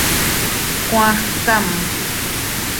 ¿Cmaax tcam?